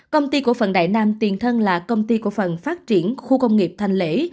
công ty cổ phần đại nam tiền thân là công ty cổ phần phát triển khu công nghiệp thanh lễ